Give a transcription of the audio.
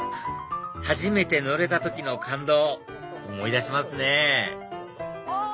初めて乗れた時の感動思い出しますねあ！